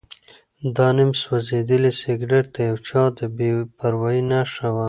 دا نیم سوځېدلی سګرټ د یو چا د بې پروایۍ نښه وه.